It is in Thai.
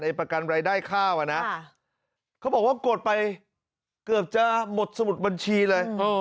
ประกันรายได้ข้าวอ่ะนะเขาบอกว่ากดไปเกือบจะหมดสมุดบัญชีเลย